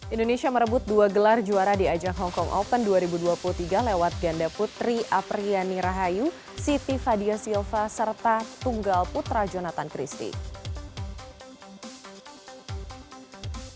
indonesia merebut dua gelar juara di ajang hongkong open dua ribu dua puluh tiga lewat ganda putri apriyani rahayu siti fadia silva serta tunggal putra jonathan christie